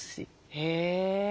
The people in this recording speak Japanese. へえ。